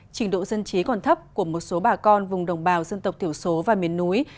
trình độ dân trí còn thấp của một số bà con vùng đồng bào dân tộc thiểu số và miền núi